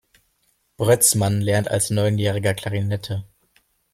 Brötzmann lernte als Neunjähriger Klarinette.